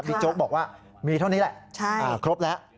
โจ๊กบอกว่ามีเท่านี้แหละครบแล้ว